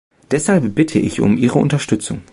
Deshalb bitte ich um Ihre Unterstützung.